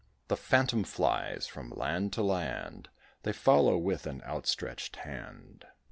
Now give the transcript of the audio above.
The phantom flies from land to land, They follow with an outstretched hand.